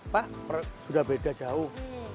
pak sudah beda jauh